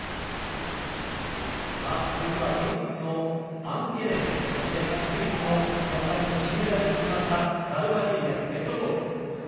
続いてはドイツのアンゲネントとスイスのピョンチャンの金メダリストガルマリーニ、レッドコース。